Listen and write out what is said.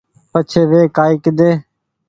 پڇي وي ڪآئي ڪيۮي